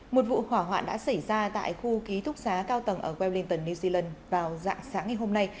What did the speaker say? một vụ hỏa hoạn đã xảy ra tại khu ký túc xá cao tầng ở wellington new zealand vào dạng sáng ngày hôm nay